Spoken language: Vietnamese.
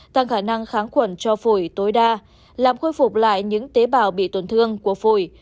tăng khả năng kháng khuẩn cho phổi tối đa làm khôi phục lại những tế bào bị tổn thương của phổi